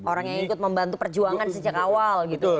orang yang ikut membantu perjuangan sejak awal gitu